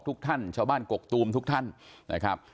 ทุกท่านชาวบ้านกกตูมทุกท่านนะครับ